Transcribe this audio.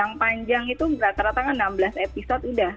yang panjang itu rata rata enam belas episode sudah